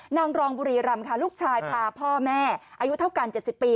นางรองบุรีรำค่ะลูกชายพาพ่อแม่อายุเท่ากัน๗๐ปี